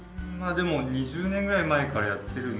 ２０年ぐらい前からやってるんです。